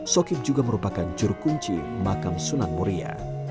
sokip juga merupakan jurukunci makam sunan muria